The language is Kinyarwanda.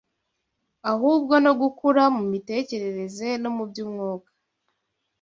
ahubwo no gukura mu mitekerereze no mu by’umwuka